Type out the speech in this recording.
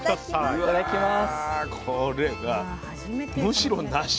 いただきます。